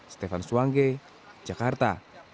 stefan swange jakarta